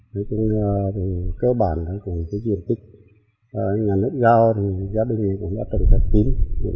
nói chung cơ bản của diện tích nhà nước giao thì gia đình cũng đã tổng thạch tín